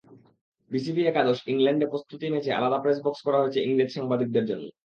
BCB একাদশ-ইংল্যান্ড প্রস্তুতি ম্যাচে আলাদা প্রেসবক্স করা হয়েছে ইংরেজ সাংবাদিকদের জন্য।